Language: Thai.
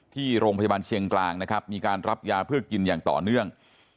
ที่โรงพยาบาลเชียงกลางนะครับมีการรับยาเพื่อกินอย่างต่อเนื่อง